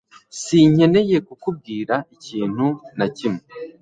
Sinkeneye kukubwira ikintu na kimwe